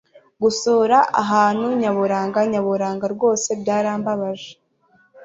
gusura ahantu nyaburanga nyaburanga rwose byarambabaje